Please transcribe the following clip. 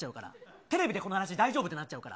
テレビでこの話、大丈夫？ってなっちゃうから。